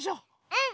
うん！